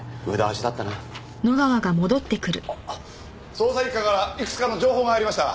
捜査一課からいくつかの情報が入りました。